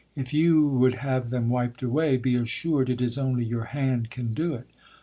If you would have them wiped away, be assured it is only your hand can do it.